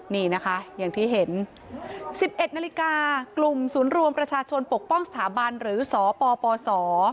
นี่นะคะอย่างที่เห็น๑๑นาฬิกากลุ่มศูนย์รวมประชาชนปกป้องสถาบันหรือสปส